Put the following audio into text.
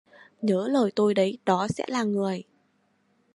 Nhớ lời tôi đấy đó sẽ là người